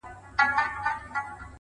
o الله ته لاس پورته كړو ـ